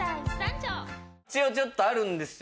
一応ちょっとあるんですよ